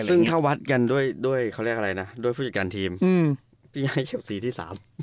ซึ่งถ้าวัดกันด้วยผู้จัดการทีมพี่ยังเชลสีที่๓